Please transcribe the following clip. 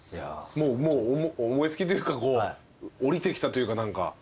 もう思い付きというか降りてきたというか何か。